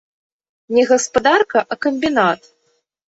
Не гаспадарка, а камбінат!